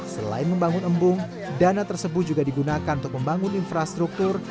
selain membangun embung dana tersebut juga digunakan untuk membangun infrastruktur